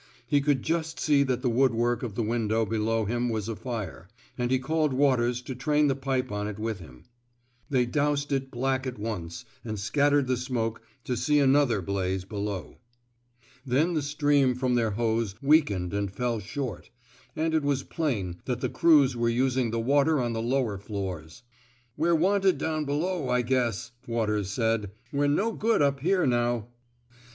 He could just see that the woodwork of the window below him was afire, and he called Waters to train the pipe on it with him. They doused it black at once, and scattered the smoke to see an 202 TEAINING '' SALLY '' WATERS other blaze below. Then the stream from their hose weakened and fell short; and it was plain that the crews were using the water on the lower floors. We're wanted down below, I guess, Waters said. We*re no good up here now.